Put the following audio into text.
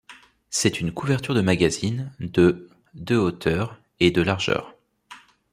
C'est une couverture de magazine, de de hauteur et de largeur.